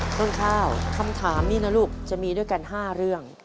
ต้นข้าวคำถามนี้นะลูกจะมีด้วยกัน๕เรื่อง